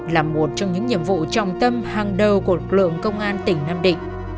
là một trong những nhiệm vụ trọng tâm hàng đầu của lực lượng công an tỉnh nam định